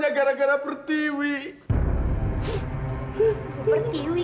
ya gak usah gak usah kita